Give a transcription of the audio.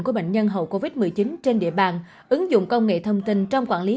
của bệnh nhân hậu covid một mươi chín trên địa bàn ứng dụng công nghệ thông tin trong quản lý